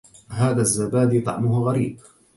هذا الزبادي طعمه غريب.